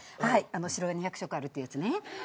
白が２００色あるっていうやつね。